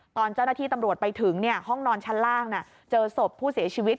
ตอนเจ้าหน้าที่ตำรวจไปถึงห้องนอนชั้นล่างเจอศพผู้เสียชีวิต